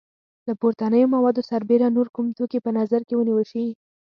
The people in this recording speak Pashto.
له پورتنیو موادو سربیره نور کوم توکي په نظر کې ونیول شي؟